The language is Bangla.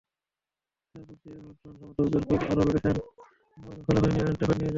তাঁর প্রতি এভারটন-সমর্থকদের ক্ষোভ আরও বেড়েছে মারুয়ান ফেলাইনিকে ওল্ড ট্র্যাফোর্ডে নিয়ে যাওয়ায়।